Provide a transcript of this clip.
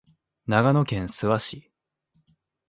長野県諏訪市